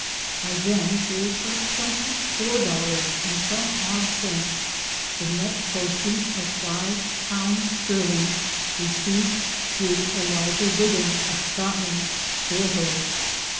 I then gave her twenty four dol lars and some odd cents, the net proceeds of five 52 SOME SCENES IN THE pounds sterling, received through Eliza Wigham, of Scotland, for her.